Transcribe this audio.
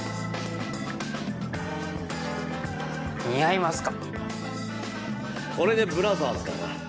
似合いますか？